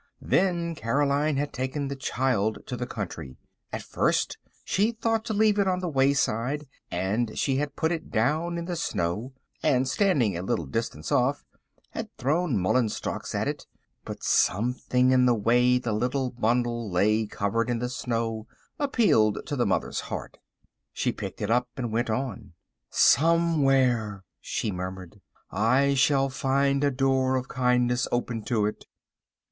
Then Caroline had taken the child to the country. At first she thought to leave it on the wayside and she had put it down in the snow, and standing a little distance off had thrown mullein stalks at it, but something in the way the little bundle lay covered in the snow appealed to the mother's heart. She picked it up and went on. "Somewhere," she murmured, "I shall find a door of kindness open to it."